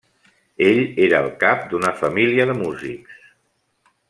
Ell era el cap d'una família de músics.